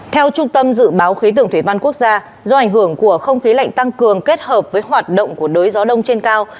theo trung tâm dự báo khí tượng thủy văn quốc gia do ảnh hưởng của không khí lạnh tăng cường kết hợp với hoạt động của đới gió đông trên cao